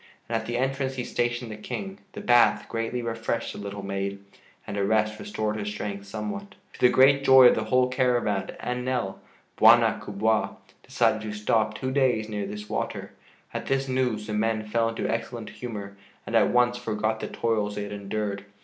And at the entrance he stationed the King. The bath greatly refreshed the little maid and a rest restored her strength somewhat. To the great joy of the whole caravan and Nell, "Bwana kubwa" decided to stop two days near this water. At this news the men fell into excellent humor and at once forgot the toils they had endured.